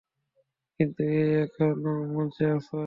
কিন্তু, এই, এখনও মঞ্চে আছ।